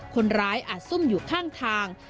คนร้ายอาจซุ่มอยู่ข้างทาง